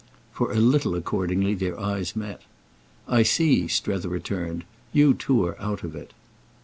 For a little accordingly their eyes met. "I see," Strether returned. "You too are out of it."